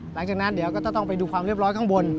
หลังจากนั้นเดี๋ยวก็จะต้องไปดูความเรียบร้อยข้างบน